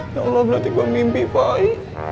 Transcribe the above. ya allah berarti gua mimpi pai